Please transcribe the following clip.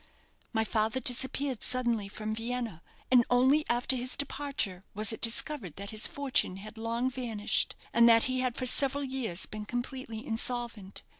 My father disappeared suddenly from Vienna, and only after his departure was it discovered that his fortune had long vanished, and that he had for several years been completely insolvent.